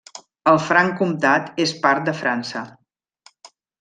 El Franc Comtat és part de França.